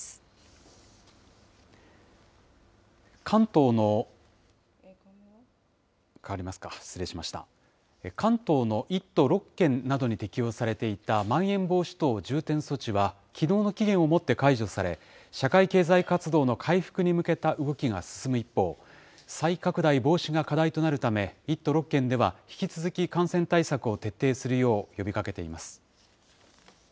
関東の１都６県などに適用されていたまん延防止等重点措置は、きのうの期限をもって解除され、社会経済活動の回復に向けた動きが進む一方、再拡大防止が課題となるため、１都６県では、引き続き感染対策を徹底するよう呼びかけています。